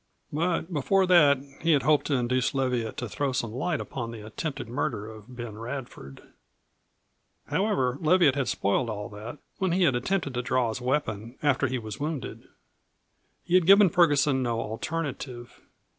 But before that he had hoped to induce Leviatt to throw some light upon the attempted murder of Ben Radford. However, Leviatt had spoiled all that when he had attempted to draw his weapon after he was wounded. He had given Ferguson no alternative.